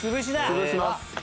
潰します。